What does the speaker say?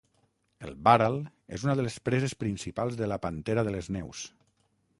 El bàral és una de les preses principals de la pantera de les neus.